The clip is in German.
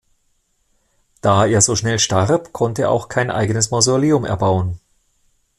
Da er so schnell starb, konnte er auch kein eigenes Mausoleum erbauen.